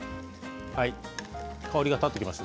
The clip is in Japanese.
香りが立ってきました。